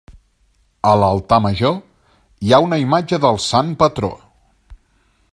A l'altar major hi ha una imatge del Sant patró.